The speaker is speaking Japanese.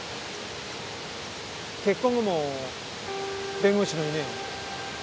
結婚後も弁護士の夢を？